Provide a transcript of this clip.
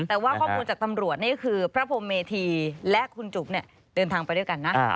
แต่ว่าข้อมูลจากตำรวจนี่คือพระพรมเมธีและคุณจุ๋มเนี่ยเดินทางไปด้วยกันนะ